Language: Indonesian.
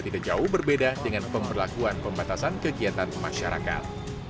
tidak jauh berbeda dengan pemberlakuan pembatasan kegiatan masyarakat